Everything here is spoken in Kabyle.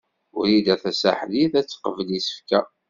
Wrida Tasaḥlit ad teqbel isefka.